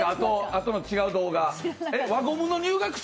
あとの違う動画。